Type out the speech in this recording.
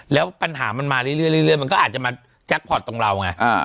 แล้วปัญหามันมาเรื่อยเรื่อยเรื่อยเรื่อยมันก็อาจจะมาแจ๊คพอร์ตตรงเราไงอ่า